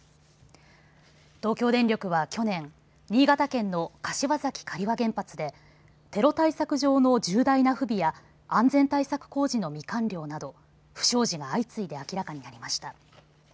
東京電力は去年、新潟県の柏崎刈羽原発でテロ対策上の重大な不備や安全対策工事の未完了など不祥事が相次いで明らかになりました。